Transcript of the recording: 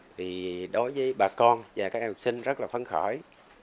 thì đối với bà con và các em học sinh rất là phấn khởi